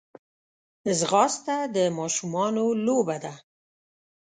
ځغاسته د ماشومانو لوبه ده